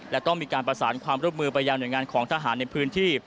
และต้องมีการประสานความร่วมมือไปยังหน่วยงานของทหารในพื้นที่